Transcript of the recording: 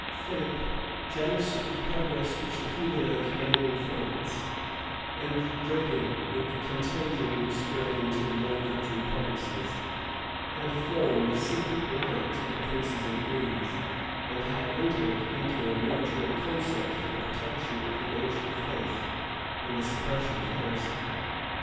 Philip, jealous of the progress which the Hugonots made in France, and dreading that the contagion would spread into the Low Country provinces, had formed a secret alliance with the princes of Guise, and had entered into a mutual concert for the protection of the ancient faith and the suppression of heresy.